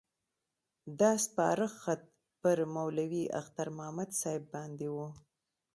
دا سپارښت خط پر مولوي اختر محمد صاحب باندې وو.